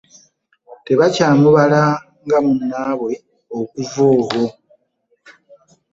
Tebakyamubala nga munnaabwe okuva olwo.